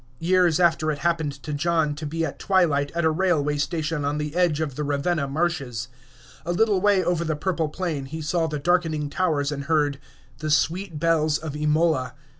Years after it happened to John to be at twilight at a railway station on the edge of the Ravenna marshes. A little way over the purple plain he saw the darkening towers and heard "the sweet bells of Imola."